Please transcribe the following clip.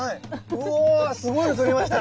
うぉすごいの撮りましたね。